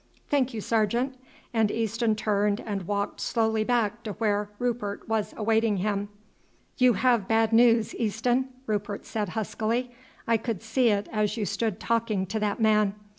"Thank you, sergeant;" and Easton turned and walked slowly back to where Rupert was awaiting him. "You have bad news, Easton," Rupert said huskily. "I could see it as you stood talking to that man."